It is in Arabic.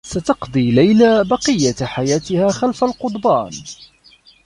ستقضي ليلى بقيّة حياتها خلف القضبان.